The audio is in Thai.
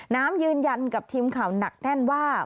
น้ำยืนยันกับทีมข่าวหนักแน่นว่า